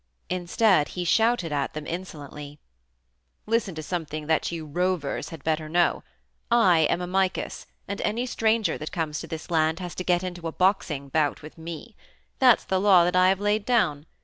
Instead, he shouted at them insolently: "Listen to something that you rovers had better know. I am Amycus, and any stranger that comes to this land has to get into a boxing bout with me. That's the law that I have laid down.